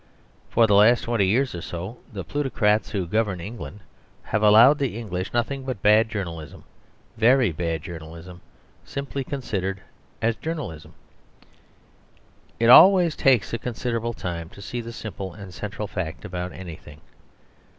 For the last twenty years or so the plutocrats who govern England have allowed the English nothing but bad journalism. Very bad journalism, simply considered as journalism. It always takes a considerable time to see the simple and central fact about anything.